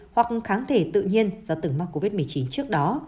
hoặc kháng thể tự nhiên do từng mắc covid một mươi chín trước đó